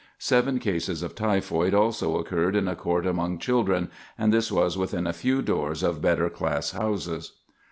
Seven cases of typhoid also occurred in a court among children, and this was within a few doors of better class houses.